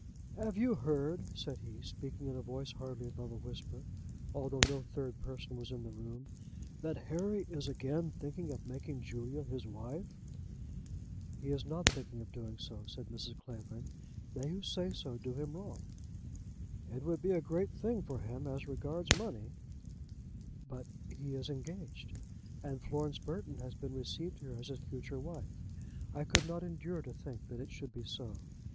"Have you heard," said he, speaking in a voice hardly above a whisper, although no third person was in the room, "that Harry is again thinking of making Julia his wife?" "He is not thinking of doing so," said Mrs. Clavering. "They who say so, do him wrong." "It would be a great thing for him as regards money." "But he is engaged, and Florence Burton has been received here as his future wife. I could not endure to think that it should be so.